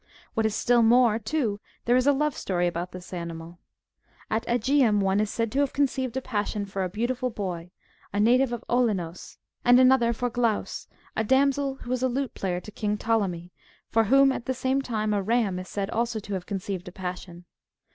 What is still more, too, there is a love story about this animal. At ^gium one is said to have conceived a passion for a beautiful boy, a native of Olenos,^^ and another for Glance, a damsel who was lute player to King Ptolemy ; for whom at the same time a ram is said also to have conceived a passion.